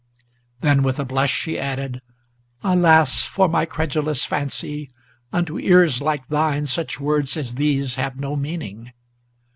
Then, with a blush, she added, "Alas for my credulous fancy! Unto ears like thine such words as these have no meaning."